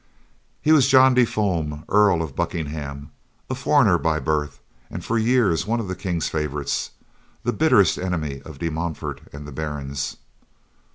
He was John de Fulm, Earl of Buckingham, a foreigner by birth and for years one of the King's favorites; the bitterest enemy of De Montfort and the barons.